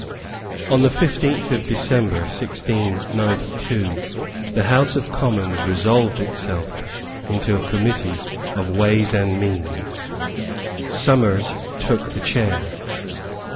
On the fifteenth of December 1692 the House of Commons resolved itself into a Committee of Ways and Means. Somers took the chair.